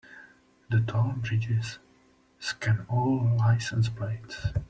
The toll bridges scan all license plates.